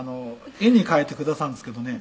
絵に描いてくださるんですけどね